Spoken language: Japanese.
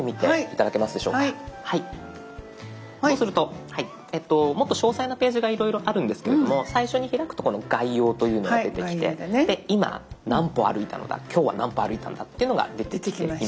そうするともっと詳細なページがいろいろあるんですけれども最初に開くとこの「概要」というのが出てきて今何歩歩いたのだ今日は何歩歩いたのだっていうのが出てきています。